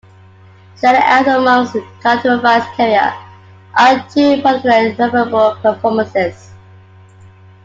Standing out amongst Koutoufides' career are two particularly memorable performances.